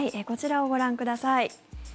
こちらをご覧ください。